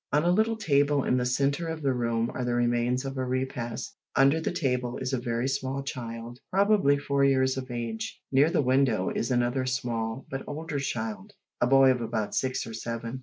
On a little table in the centre of the room are the remains of a repast. Under the table is a very small child, probably four years of age. Near the window is another small, but older child a boy of about six or seven.